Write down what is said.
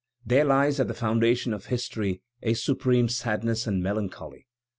" There lies at the foundation of history a supreme sadness and melancholy.